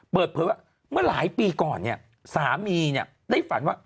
เปิดเผยว่าเมื่อหลายปีก่อนเนี่ยสามีได้ฝันว่า